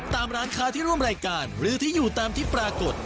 ตามร้านค้าที่ร่วมรายการหรือที่อยู่ตามที่ปรากฏ